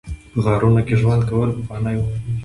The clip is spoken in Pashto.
په غارونو کې ژوند کول پخوانی و